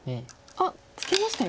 あっツケましたよ。